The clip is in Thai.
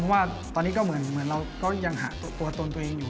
เพราะว่าตอนนี้ก็เหมือนเราก็ยังหาตัวตนตัวเองอยู่